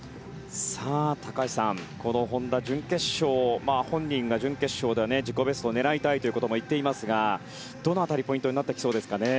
さあ、高橋さん本多本人は準決勝では自己ベストを狙いたいということも言っていますがどの辺りがポイントになってきそうですかね。